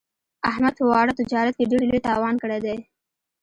احمد په واړه تجارت کې ډېر لوی تاوان کړی دی.